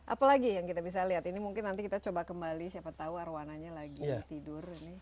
apalagi yang kita bisa lihat ini mungkin nanti kita coba kembali siapa tahu arowananya lagi tidur ini